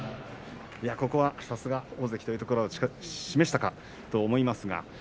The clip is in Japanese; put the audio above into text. ここは、さすが大関ということを示したかと思います。